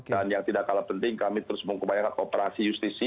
dan yang tidak kalah penting kami terus mengupayakan kooperasi justisi